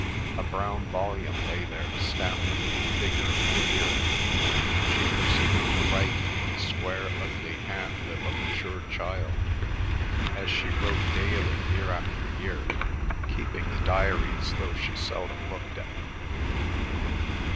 A brown volume lay there stamped with the figure of the year. She proceeded to write in the square ugly hand of a mature child, as she wrote daily year after year, keeping the diaries, though she seldom looked at them.